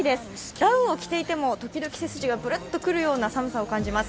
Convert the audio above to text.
ダウンを着ていても時々背筋がぶるっとくるような寒さがあります。